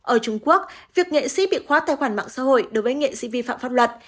ở trung quốc việc nghệ sĩ bị khóa tài khoản mạng xã hội đối với nghệ sĩ vi phạm pháp luật